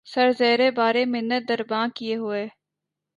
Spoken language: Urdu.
سر زیرِ بارِ منت درباں کیے ہوئے